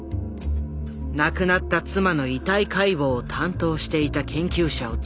亡くなった妻の遺体解剖を担当していた研究者を突き止めじか当たり。